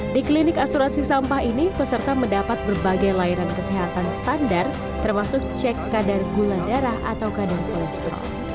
di klinik asuransi sampah ini peserta mendapat berbagai layanan kesehatan standar termasuk cek kadar gula darah atau kadar kolesterol